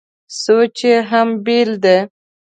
سوچ یې هم بېل دی.